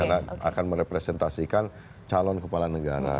karena akan merepresentasikan calon kepala negara